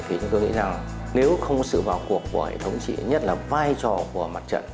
thì tôi nghĩ rằng nếu không sự vào cuộc của hệ thống chỉ nhất là vai trò của mặt trận